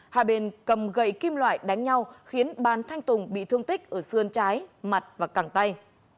hai bên cầm gậy kim loại đánh nhau khiến bán thanh tùng bị thương tích ở xương trái mặt và cẳng tay